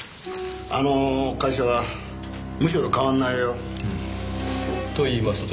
あの会社はムショと変わらないよ。と言いますと？